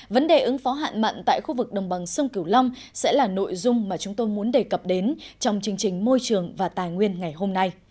vấn đề ứng phó hạn mặn tại khu vực đồng bằng sông cửu long sẽ là nội dung mà chúng tôi muốn đề cập đến trong chương trình môi trường và tài nguyên ngày hôm nay